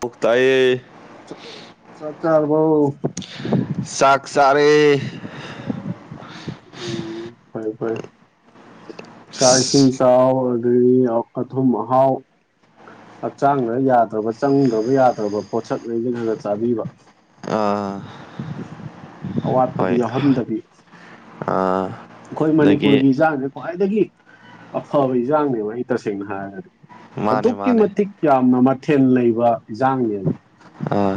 ꯄꯨꯈꯇꯥꯌꯦ ꯆꯥꯛ ꯆꯥꯛ ꯆꯥꯔꯕꯣ ꯆꯥꯛ ꯆꯔꯦ ꯎꯝ ꯐꯔꯦ ꯐꯔꯦ ꯆꯥꯛ ꯏꯤꯡ [unintelligible] ꯑꯊꯨꯝ ꯑꯍꯥꯎ ꯍꯛꯆꯥꯡꯗ ꯌꯥꯗ꯭ꯔꯕ ꯆꯪꯗ꯭ꯔꯕ ꯌꯥꯗ꯭ꯔꯕ ꯄꯣꯠꯁꯛ ꯂꯩꯩꯕꯤꯔꯒ ꯆꯥꯕꯤꯕ ꯑꯥ ꯑꯋꯥꯠꯄꯗꯤ ꯍꯣꯏ ꯌꯥꯎꯍꯟꯗꯕꯤ ꯑꯥ ꯑꯩꯈꯣꯏ ꯑꯗꯒꯤ ꯃꯅꯤꯄꯨꯔꯒꯤ ꯏꯖꯥꯡꯁꯤ ꯈ꯭ꯋꯥꯏꯗꯒꯤ ꯑꯐꯕ ꯏꯟꯖꯥꯡꯅꯦꯕ ꯑꯩ ꯇꯁꯦꯡꯅ ꯍꯥꯏꯔꯒꯗꯤ ꯃꯥꯅꯦ ꯑꯗꯨꯛꯀꯤ ꯃꯥꯅꯦ ꯃꯇꯤꯛ ꯌꯥꯝꯅ ꯃꯊꯦꯜ ꯂꯩꯕ ꯏꯟꯖꯥꯡꯅꯦꯕ ꯑꯥ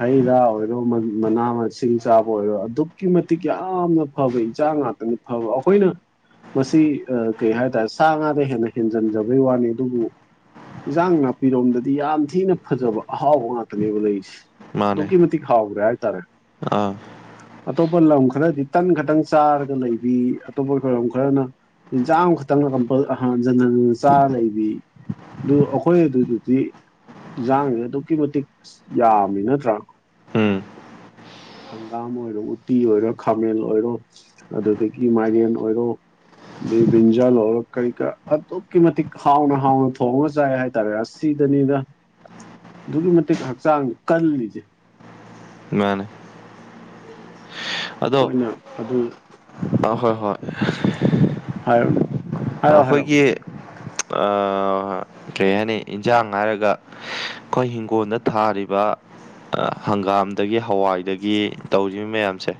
ꯍꯩ ꯔꯥ ꯑꯣꯏꯔꯣ ꯃꯅꯥ ꯃꯁꯤꯡ ꯆꯥꯕ ꯑꯣꯏꯔꯣ ꯑꯗꯨꯛꯀꯤ ꯃꯇꯤꯛ ꯌꯥꯝꯅ ꯐꯕ ꯏꯟꯖꯥꯡ ꯉꯥꯛꯇꯅꯤ ꯍꯥꯎꯕ ꯑꯈꯣꯏꯅ ꯃꯁꯤ ꯀꯩ ꯍꯥꯏꯇꯥꯔꯦ ꯁꯥ ꯉꯥꯗꯩ ꯍꯦꯟꯅ ꯍꯦꯟꯖꯟꯖꯕꯩ ꯋꯥꯅꯤ ꯑꯗꯨꯕꯨ ꯏꯟꯁꯥꯡ ꯅꯥꯄꯤꯔꯣꯝꯗꯗꯤ ꯌꯥꯝ ꯊꯤꯅ ꯐꯖꯕ ꯑꯍꯥꯎꯕ ꯉꯥꯛꯇꯅꯦꯕ ꯂꯩꯔꯤꯁꯦ ꯃꯥꯅꯦ ꯗꯨꯛꯀꯤ ꯃꯇꯤꯛ ꯍꯥꯎꯈꯔꯦ ꯍꯥꯏ ꯇꯔꯦ ꯑꯥ ꯑꯇꯣꯞꯄ ꯂꯝ ꯈꯔꯗꯤ ꯇꯟ ꯈꯛꯇꯪ ꯆꯥꯔꯒ ꯂꯩꯕꯤ ꯑꯇꯣꯞꯄ ꯈꯔꯅ ꯌꯦꯟꯖꯥꯡꯈꯛꯇꯪ ꯀꯝꯄꯜ ꯍꯟꯖꯤꯟ ꯍꯟꯖꯤꯟ ꯆꯥꯔ ꯂꯩꯕꯤ ꯑꯗꯨ ꯑꯩꯈꯣꯏ ꯑꯗꯨꯗꯗꯤ ꯏꯟꯖꯥꯡꯁꯦ ꯑꯗꯨꯛꯀꯤ ꯃꯇꯤꯛ ꯌꯥꯝꯃꯤꯅ ꯇꯔꯥ ꯎꯝ ꯍꯪꯒꯥꯝ ꯑꯣꯏꯔꯣ ꯎꯇꯤ ꯑꯣꯏꯔꯣ ꯈꯥꯃꯦꯟ ꯑꯣꯏꯔꯣ ꯑꯗꯨꯗꯒꯤ ꯃꯥꯏꯔꯦꯟ ꯑꯣꯏꯔꯣ ꯗꯩ ꯕꯔꯤꯟꯖꯥꯜ ꯑꯣꯏꯔꯣ ꯀꯔꯤ ꯀꯔꯥꯛ ꯑꯗꯨꯛꯀꯤ ꯃꯇꯤꯛ ꯍꯥꯎꯅ ꯍꯥꯎꯅ ꯊꯣꯡꯉ ꯆꯏ ꯍꯥꯏꯇꯥꯔꯦ ꯑꯁ ꯁꯤꯗꯅꯤꯅ ꯑꯗꯨꯛꯀꯤ ꯃꯇꯤꯛ ꯍꯛꯆꯥꯡꯗ ꯀꯜꯂꯤꯁꯦ ꯃꯥꯅꯦ ꯑꯗꯣ ꯑꯩꯈꯣꯏꯅ ꯑꯗꯨ ꯑꯥ ꯍꯣꯏ ꯍꯣꯏ ꯍꯥꯏꯔꯣꯅꯦ ꯍꯥꯏꯔꯣ ꯍꯥꯏꯔꯣ ꯑꯩꯈꯣꯏꯒꯤ ꯑꯥ ꯀꯔꯤ ꯍꯥꯏꯅꯤ ꯏꯟꯖꯥꯡ ꯍꯥꯏꯔꯒ ꯑꯩꯈꯣꯏ ꯍꯤꯡꯒꯣꯜꯗ ꯊꯥꯔꯤꯕ ꯑ ꯍꯪꯒꯥꯝꯗꯒꯤ ꯍꯋꯥꯏꯗꯒꯤ ꯇꯧꯔꯤꯕ ꯃꯌꯥꯝꯁꯦ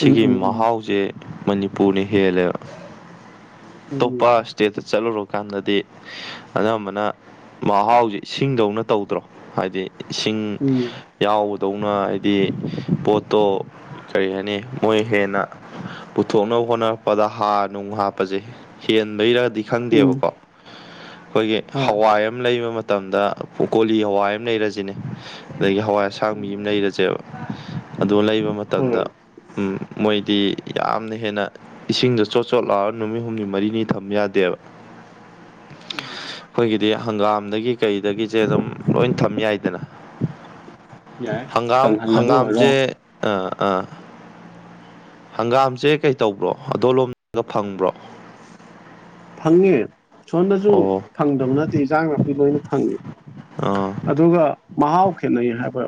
ꯎꯝ ꯁꯤꯒꯤ ꯎꯝ ꯃꯍꯥꯎꯁꯦ ꯃꯅꯤꯄꯨꯔꯅ ꯍꯦꯜꯂꯦꯕ ꯎꯝ ꯂꯄ ꯁꯇꯦꯠꯇ ꯆꯠꯂꯨꯔꯀꯥꯟꯗꯗꯤ ꯑꯅꯝꯕꯅ ꯃꯍꯥꯎꯁꯤ ꯏꯁꯤꯡꯗꯧꯅ ꯇꯧꯗ꯭ꯔꯣ ꯍꯥꯏꯗꯤ ꯏꯁꯤꯡ ꯎꯝ ꯌꯥꯎꯕꯗꯧꯅ ꯍꯥꯏꯗꯤ ꯄꯣꯠꯇꯣ ꯀꯔꯤ ꯍꯥꯏꯅꯤ ꯃꯣꯏ ꯍꯦꯟꯅ ꯄꯨꯊꯣꯛꯅꯕ ꯍꯣꯠꯅꯔꯛꯄꯗ ꯍꯥꯔ ꯅꯨꯡ ꯍꯥꯞꯄꯁꯦ ꯍꯦꯟꯕꯩꯔꯒꯗꯤ ꯎꯝ ꯎꯝ ꯈꯪꯗꯦꯕꯀꯣ ꯑꯩꯈꯣꯏꯒꯤ ꯍꯣꯏ ꯍꯋꯥꯏ ꯑꯃ ꯂꯩꯕ ꯃꯇꯝꯗ ꯀꯣꯂꯤ ꯍꯋꯥꯏ ꯑꯃ ꯂꯩꯔꯁꯤꯅꯦ ꯑꯗꯒꯤ ꯍꯋꯥꯏꯁꯦ ꯁꯥꯡꯕꯤ ꯎꯝ ꯑꯃ ꯂꯩꯔꯁꯦꯕ ꯑꯗꯣ ꯂꯩꯕ ꯍꯣꯏ ꯃꯇꯝꯗ ꯎꯝ ꯃꯣꯏꯗꯤ ꯌꯥꯝꯅ ꯍꯦꯟꯅ ꯏꯁꯤꯡꯗ ꯆꯣꯠ ꯆꯣꯠ ꯂꯥꯎꯔ ꯅꯨꯃꯤꯠ ꯍꯨꯝꯅꯤ ꯃꯔꯤꯅꯤ ꯊꯝ ꯌꯥꯗꯦꯕ ꯎꯝ ꯑꯈꯣꯏꯒꯤꯗꯤ ꯍꯪꯒꯥꯝꯗꯒꯤ ꯀꯩꯗꯒꯤꯖꯦ ꯑꯗꯨꯝ ꯂꯣꯏ ꯊꯝ ꯌꯥꯏꯗꯅ ꯌꯥꯏ ꯍꯪꯒꯥꯝ ꯀꯪꯍꯜꯂꯒ ꯍꯪꯒꯥꯝ ꯑꯣꯏꯔꯣ ꯖꯦ ꯑ ꯑ ꯍꯪꯒꯥꯝꯆꯦ ꯀꯩ ꯇꯧꯕ꯭ꯔꯣ ꯑꯗꯣ ꯂꯣꯝꯗ ꯐꯪꯕ꯭ꯔꯣ ꯐꯪꯉꯦ ꯁꯣꯝꯗꯁꯨ ꯑꯣ ꯐꯪꯗꯕ ꯅꯠꯇꯦ ꯏꯟꯖꯥꯡ ꯅꯥꯄꯤ ꯂꯣꯏꯅ ꯐꯪꯉꯦ ꯑꯥ ꯑꯗꯨꯒ ꯃꯍꯥꯎ ꯈꯦꯠꯅꯩ ꯍꯥꯏꯕ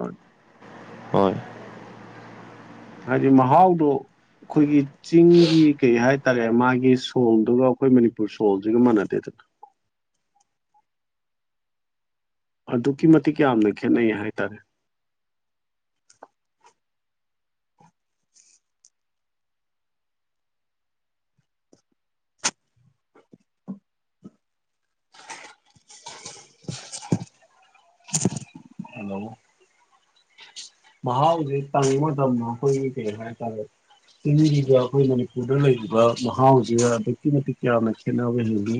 ꯍꯣꯏ ꯍꯥꯏꯗꯤ ꯃꯍꯥꯎꯗꯣ ꯈꯣꯏꯒꯤ ꯆꯤꯡꯒꯤ ꯀꯩ ꯍꯥꯏꯇꯥꯔꯦ ꯃꯥꯒꯤ ꯁꯣꯜꯗꯨꯒ ꯑꯩꯈꯣꯏ ꯃꯅꯤꯄꯨꯔ ꯁꯣꯜꯖꯤꯒ ꯃꯥꯟꯅꯗꯦꯗꯅ ꯑꯗꯨꯛꯀꯤ ꯃꯇꯤꯛ ꯌꯥꯝꯅ ꯈꯦꯠꯅꯩ ꯍꯥꯏꯇꯥꯔꯦ ꯍꯜꯂꯣ ꯃꯍꯥꯎꯖꯦ ꯇꯪꯕ ꯃꯇꯝꯗ ꯑꯩꯈꯣꯏꯒꯤ ꯀꯩ ꯍꯥꯏꯇꯥꯔꯦ ꯆꯤꯡꯒꯤꯒ ꯑꯩꯈꯣꯏ ꯃꯅꯤꯄꯨꯔꯗ ꯂꯩꯔꯤꯕ ꯃꯍꯥꯎꯖꯤꯒ ꯑꯗꯨꯛꯀꯤ ꯃꯇꯤꯛ ꯌꯥꯝꯅ ꯈꯦꯠꯅꯕ ꯖꯤꯒꯤ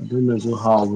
ꯑꯗꯨꯅꯖꯨ ꯍꯥꯎꯋꯤ